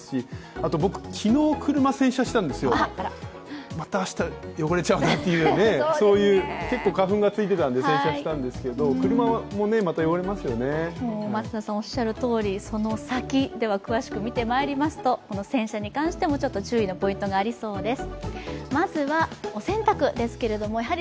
あと昨日車洗車したんですよ、また明日汚れちゃうなってそういう、結構花粉がついてたんで洗車したんですけどそのサキ、詳しく見てまいりますとこの洗車に関しても注意のポイントがありそうです。